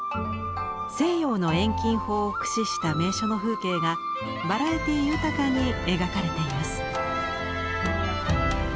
西洋の遠近法を駆使した名所の風景がバラエティー豊かに描かれています。